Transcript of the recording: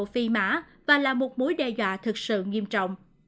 tốc độ phi mã và là một mối đe dọa thực sự nghiêm trọng